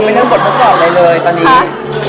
ยังไม่ได้เริ่มบททดสอบอะไรเลยตอนนี้